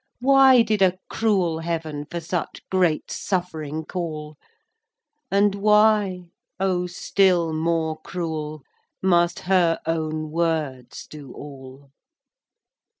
Why did a cruel Heaven For such great suffering call? And why—O, still more cruel!— Must her own words do all?